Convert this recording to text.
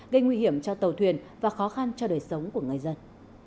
gây nguy hiểm cho tàu thuyền và khó khăn cho đời sống của người dân